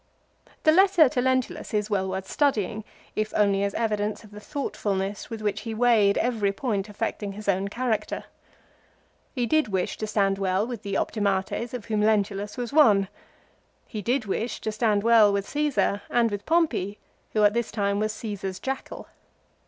The letter to Lentulus is well worth studying, if only as evidence of the thoughtfulness with which he weighed every point affecting his own character. He did wish to stand well with the " optimates " of whom Lentulus was one. He did wish to stand well with Csesar, and with Pompey, who at this time was Caesar's jackal.